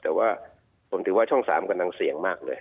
แต่ว่าผมถือว่าช่อง๓กำลังเสี่ยงมากเลย